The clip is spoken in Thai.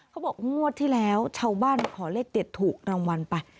เขาบอกงวดที่แล้วชาวบ้านมาขอเลขเด็ดถูกรางวัลไป